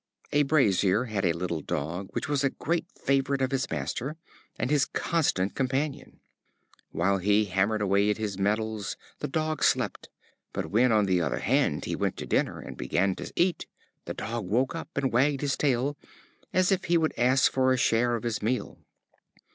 A Brazier had a little Dog, which was a great favorite with his master, and his constant companion. While he hammered away at his metals the Dog slept; but when, on the other hand, he went to dinner, and began to eat, the Dog woke up, and wagged his tail, as if he would ask for a share of his meal.